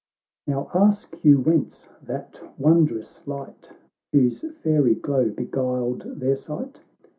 — XVII !STow ask you whence that wondrous light, Whose fairy glow beguiled their sight?